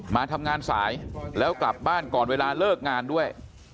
มาทำงานสายแล้วกลับบ้านก่อนเวลาเลิกงานด้วย